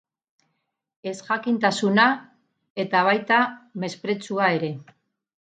Ezjakintasuna, eta baita mespretxua ere.